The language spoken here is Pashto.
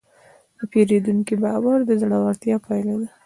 د پیرودونکي باور د زړورتیا پایله ده.